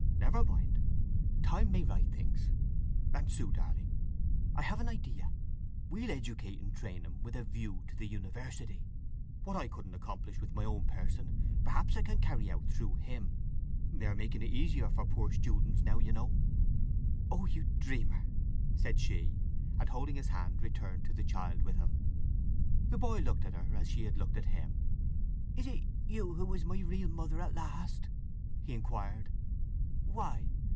Never mind! Time may right things… And Sue, darling; I have an idea! We'll educate and train him with a view to the university. What I couldn't accomplish in my own person perhaps I can carry out through him? They are making it easier for poor students now, you know." "Oh you dreamer!" said she, and holding his hand returned to the child with him. The boy looked at her as she had looked at him. "Is it you who's my real mother at last?" he inquired. "Why?